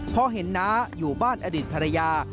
พอเห็นน้าอยู่บ้านอดีตภรรยา